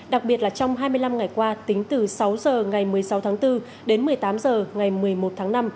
đặc biệt là trong hai mươi năm ngày qua tính từ sáu h ngày một mươi sáu tháng bốn đến một mươi tám h ngày một mươi một tháng năm